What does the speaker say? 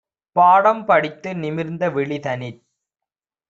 பாடம் படித்து நிமிர்ந்தவிழி - தனிற்